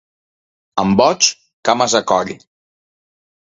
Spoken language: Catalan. Amb boigs, cames a coll.